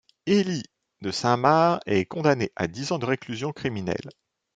Hélie de Saint-Marc est condamné à dix ans de réclusion criminelle.